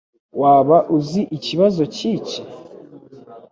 Waba uzi ikibazo cyiki?